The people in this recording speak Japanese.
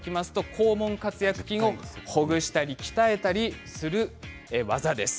肛門括約筋をほぐしたり鍛えたりする技です。